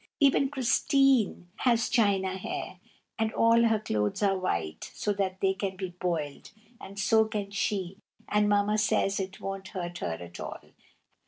Even Christine has china hair, and all her clothes are white, so they can be boiled, and so can she, and Mamma says it won't hurt her at all.